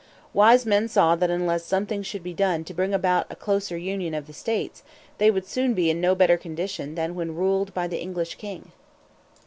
Wise men saw that unless something should be done to bring about a closer union of the states, they would soon be in no better condition than when ruled by the English king.